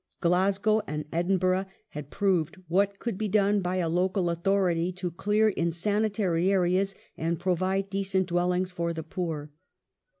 Glasgow and Edin bm'gh ^ had proved what could be done by a local authority to clear insanitary areas and provide decent dwellings for the poor.